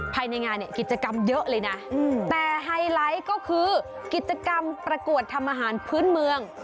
ภายในงานเนี่ยกิจกรรมเยอะเลยนะแต่ไฮไลท์ก็คือกิจกรรมประกวดทำอาหารพื้นเมือง